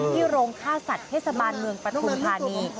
ที่โรงฆ่าสัตว์เทศบาลเมืองประธุมภาณี